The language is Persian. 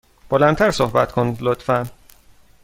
بلند تر صحبت کن، لطفا.